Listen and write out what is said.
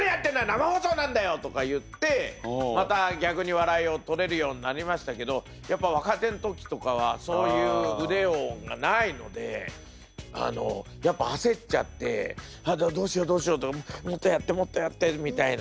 生放送なんだよ！」とか言ってまた逆に笑いを取れるようになりましたけどやっぱ若手の時とかはそういう腕がないのでやっぱ焦っちゃって「どうしようどうしようもっとやってもっとやって」みたいな。